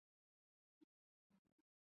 墨西哥航空公司。